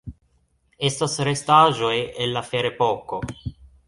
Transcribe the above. Estas restaĵoj el la Ferepoko.